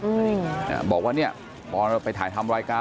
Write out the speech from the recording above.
อืมอ่าบอกว่าเนี้ยตอนเราไปถ่ายทำรายการ